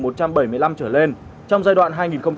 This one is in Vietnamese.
một trăm bảy mươi năm trở lên trong giai đoạn